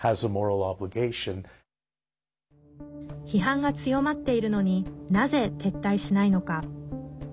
批判が強まっているのになぜ、撤退しないのか。